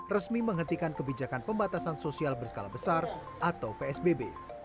resmi menghentikan kebijakan pembatasan sosial berskala besar atau psbb